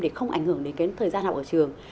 để không ảnh hưởng đến cái năng động của các trường